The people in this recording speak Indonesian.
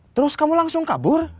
terus kamu langsung kabur